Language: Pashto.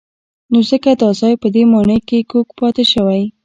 نو ځکه دا ځای په دې ماڼۍ کې کوږ پاتې شوی.